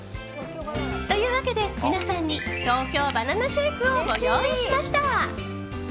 というわけで、皆さんに東京ばな奈シェイクをご用意しました。